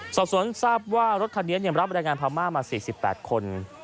สอบสนทราบว่ารถคันนี้ยังรับบรรยายงานภามาร์มา๔๘คน